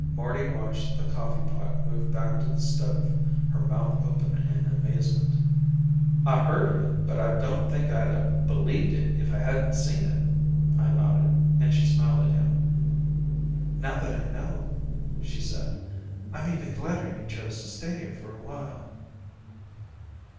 Marty watched the coffee pot move back to the stove, her mouth open in amazement, "I heard of it, but I don't think I'd have believed it if I hadn't seen it." I nodded, and she smiled at him. "Now that I know," she said, "I'm even gladder you chose to stay here for a while."